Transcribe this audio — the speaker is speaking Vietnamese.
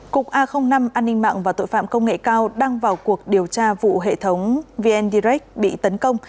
cục a năm an ninh mạng và tội phạm công nghệ cao đang vào cuộc điều tra vụ hệ thống vn direct bị tấn công